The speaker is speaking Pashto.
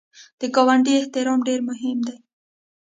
د ګاونډي احترام ډېر مهم دی